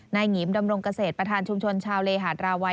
หงีมดำรงเกษตรประธานชุมชนชาวเลหาดราวัย